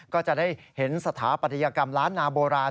ก็จะได้เห็นสถาปัตยกรรมล้านนาโบราณ